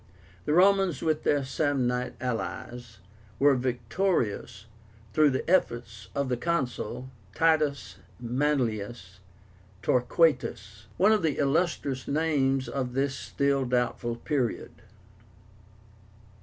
The Romans, with their Samnite allies, were victorious through the efforts of the Consul, TITUS MANLIUS TORQUÁTUS, one of the illustrious names of this still doubtful period.